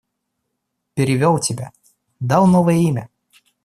Перевел тебя, дал новое имя.